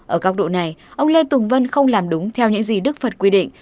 ở góc độ này ông lê tùng vân không làm đúng theo những gì đức phật quy định